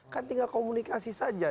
kan tinggal komunikasi saja